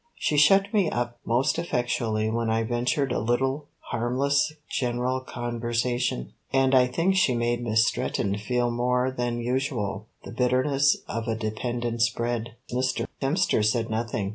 She shut me up most effectually when I ventured a little harmless general conversation, and I think she made Miss Stretton feel more than usual the bitterness of a dependent's bread. Mr. Hemster said nothing.